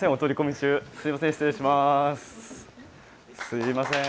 すいません。